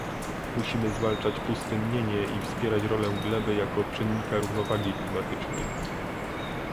Musimy zwalczać pustynnienie i wspierać rolę gleby jako czynnika równowagi klimatycznej